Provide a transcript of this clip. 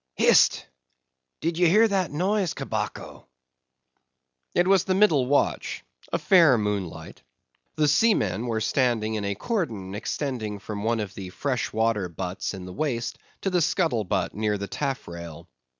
"HIST! Did you hear that noise, Cabaco?" It was the middle watch: a fair moonlight; the seamen were standing in a cordon, extending from one of the fresh water butts in the waist, to the scuttle butt near the taffrail.